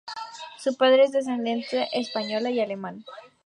Su padre es de descendencia española y alemán.